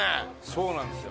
そうなんですよ。